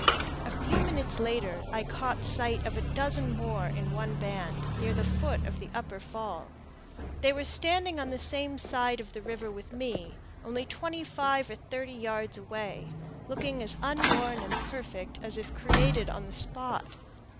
A few minutes later I caught sight of a dozen more in one band, near the foot of the upper fall. They were standing on the same side of the river with me, only twenty five or thirty yards away, looking as unworn and perfect as if created on the spot.